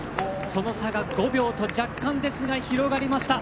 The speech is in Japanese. その差が５秒と若干ですが広がりました。